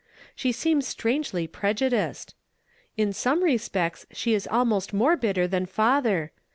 She seems strangely prejudiced. Jn some respects she is al most more hitter than father.